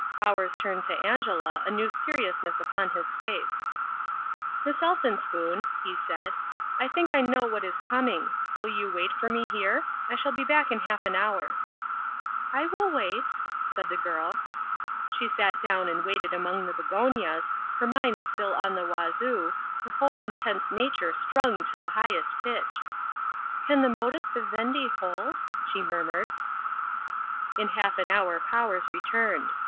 Powers turned to Angela, a new seriousness upon his face. "Miss Elphinspoon," he said, "I think I know what is coming. Will you wait for me here? I shall be back in half an hour." "I will wait," said the girl. She sat down and waited among the begonias, her mind still on the Wazoo, her whole intense nature strung to the highest pitch. "Can the modus vivendi hold?" she murmured. In half an hour Powers returned.